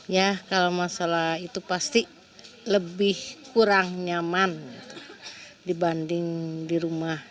ya kalau masalah itu pasti lebih kurang nyaman dibanding di rumah